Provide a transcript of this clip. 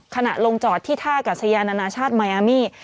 ขณะลงจอดที่ท่ากัศยานานาชาติมายอามี